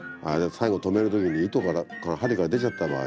最後留める時に糸が針から出ちゃった場合